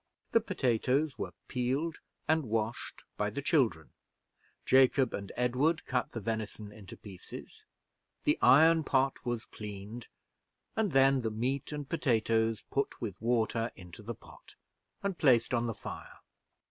The potatoes were peeled and washed by the children Jacob and Edward cut the venison into pieces the iron pot was cleaned; and then the meat and potatoes put with water into the pot, and placed on the fire.